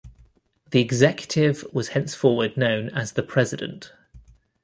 The executive was henceforward known as the president.